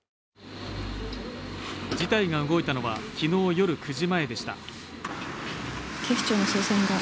事態が動いたのは昨日夜９時前でした。